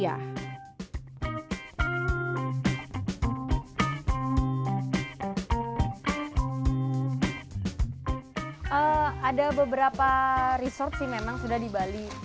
ada beberapa resort sih memang sudah di bali